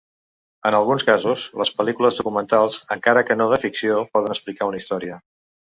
En alguns casos, les pel·lícules documentals, encara que no de ficció, poden explicar una història.